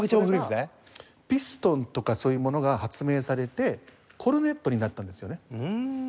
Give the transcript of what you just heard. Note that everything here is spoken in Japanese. それがピストンとかそういうものが発明されてコルネットになったんですよね。